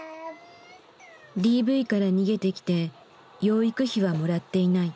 ＤＶから逃げてきて養育費はもらっていない。